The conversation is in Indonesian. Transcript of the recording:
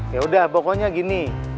yaudah pokoknya gini